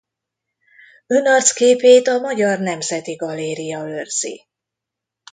Önarcképét a Magyar Nemzeti Galéria őrzi.